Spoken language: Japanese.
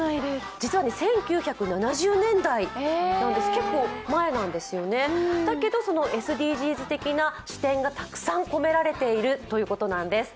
実は１９７０年代、結構前なんですよね、だけどＳＤＧｓ的な視点がたくさん込められているということなんです。